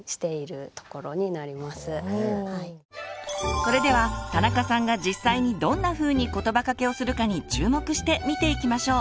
それでは田中さんが実際にどんなふうにことばかけをするかに注目して見ていきましょう。